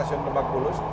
stasiun lembak bulus